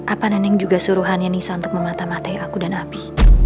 apa neneng juga suruhannya nisa untuk mematah matahi aku dan abi